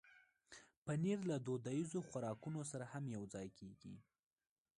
پنېر له دودیزو خوراکونو سره هم یوځای کېږي.